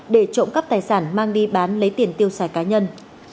để trộm cắp tài sản mang đi bán lấy tiền tiêu xài cá nhân